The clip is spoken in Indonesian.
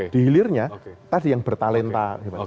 di hilirnya tadi yang bertalenta